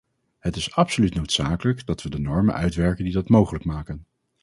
Het is absoluut noodzakelijk dat we de normen uitwerken die dat mogelijk maken.